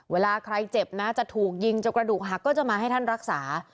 เวลาใครเจ็บนะจะถูกยิงจนกระดูกหักก็จะมาให้ท่านรักษา